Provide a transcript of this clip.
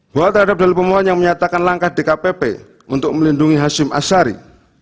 bahwa terhadap dalil pemohon yang menyatakan langkah dkpp untuk melindungi hashim ashari